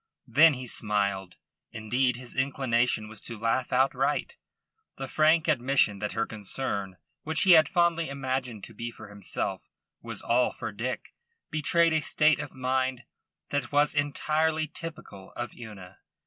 Then he smiled. Indeed his inclination was to laugh outright. The frank admission that her concern which he had fondly imagined to be for himself was all for Dick betrayed a state of mind that was entirely typical of Una.